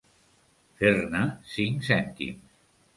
Fer-ne cinc cèntims.